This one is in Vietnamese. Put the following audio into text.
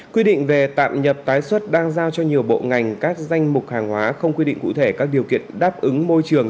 quy định về tạm nhập tái xuất đang giao cho nhiều bộ ngành các danh mục hàng hóa không quy định cụ thể các điều kiện đáp ứng môi trường